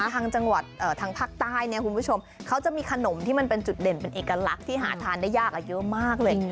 ทางจังหวัดทางภาคใต้เนี่ยคุณชมจะมีขนมจุดดินเป็นเอกลักษณ์ที่หาทานได้ยากยอด